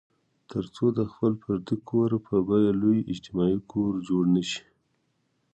تر څو د خپل فردي کور په بیه لوی اجتماعي کور جوړ نه شي.